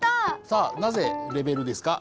さあなぜ「レベル」ですか？